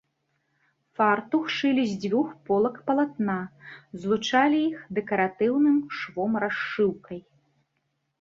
Фартух шылі з дзвюх полак палатна, злучалі іх дэкаратыўным швом-расшыўкай.